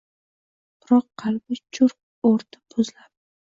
Biroq, qalbi charx urdi bo’zlab